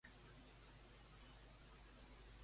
A favor de quin grup polític es va posicionar?